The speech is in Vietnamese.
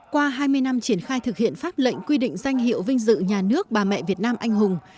qua hai mươi năm triển khai thực hiện pháp lệnh quy định danh hiệu vinh dự nhà nước bà mẹ việt nam anh hùng